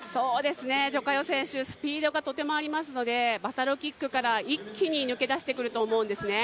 徐嘉余選手、スピードがとてもありますので、バサロキックから一気に抜け出してくると思うんですね。